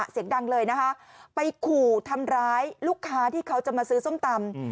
เสียงดังเลยนะคะไปขู่ทำร้ายลูกค้าที่เขาจะมาซื้อส้มตำ